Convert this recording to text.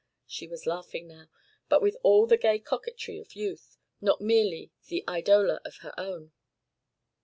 She was laughing now, but with all the gay coquetry of youth, not merely the eidola of her own.